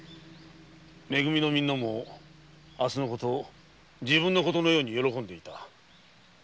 「め組」のみんなも明日の事自分の事のように喜んでいた。